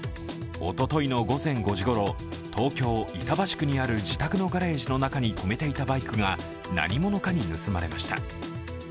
おとといの午前５時ごろ、東京・板橋区にある自宅のガレージの中に止めていたバイクが何者かに盗まれました。